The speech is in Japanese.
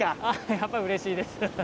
やっぱりうれしいです。